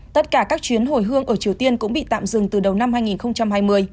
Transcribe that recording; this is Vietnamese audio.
tất cả các chuyến hồi hương ở triều tiên cũng bị tạm dừng từ đầu năm hai nghìn hai mươi